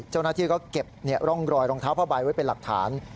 เจ้าหน้าที่ก็เก็บร่องรอยรองเท้าผ้าใบไว้เป็นหลักฐาน